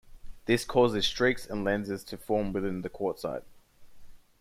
This causes streaks and lenses to form within the quartzite.